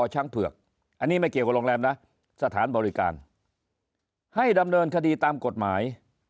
ช้างเผือกอันนี้ไม่เกี่ยวกับโรงแรมนะสถานบริการให้ดำเนินคดีตามกฎหมาย